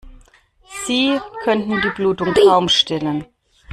Sie könnten die Blutung kaum stillen.